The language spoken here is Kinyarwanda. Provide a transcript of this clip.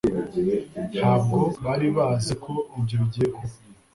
Ntabwo bari bazi ko ibyo bigiye kuba